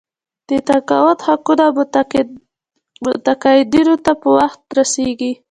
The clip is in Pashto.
د تقاعد حقوق متقاعدینو ته په وخت رسیږي.